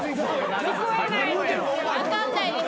聞こえないですよ。